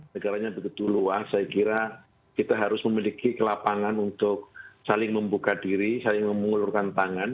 negaranya begitu luas saya kira kita harus memiliki kelapangan untuk saling membuka diri saling mengulurkan tangan